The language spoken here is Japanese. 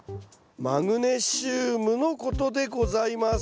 マグネシウムのことでございます。